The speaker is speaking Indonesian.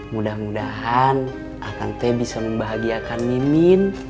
mudah mudahan akan teh bisa membahagiakan mimin